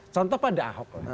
contoh pada ahok